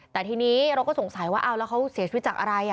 แต่ทีนี้เราก็สงสัยว่าเอาแล้วเขาเสียชีวิตจากอะไร